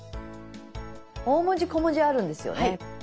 大文字小文字あるんですよね。